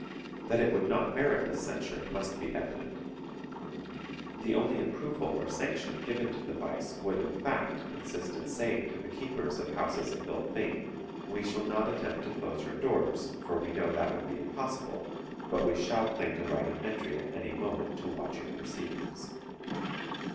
That it would not merit this censure must be evident. The only approval or sanction given to the vice would, in fact, consist in saying to the keepers of houses of ill fame: We shall not attempt to close your doors, for we know that would be impossible, but we shall claim the right of entry at any moment to watch your proceedings.